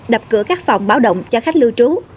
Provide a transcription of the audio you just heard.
đập cửa các phòng báo động cho khách lưu trú